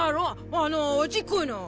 あのちっこいの。